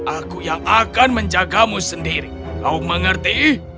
aku yang akan menjagamu sendiri kau mengerti